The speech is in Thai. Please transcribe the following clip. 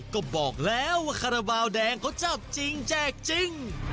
ก็บอกแล้วว่าคาราบาลแดงเขาจับจริงแจกจริง